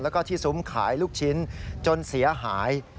แล้วก็ที่ซุ้มขายลูกชิ้นจนเสียหาย